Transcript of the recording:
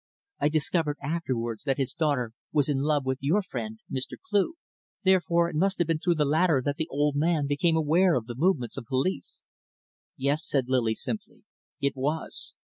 I discovered afterwards that his daughter was in love with your friend Mr. Cleugh, therefore it must have been through the latter that the old man became aware of the movements of the police." "Yes," said Lily simply, "it was."